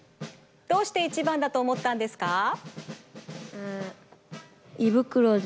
どうして１ばんだとおもったんですか？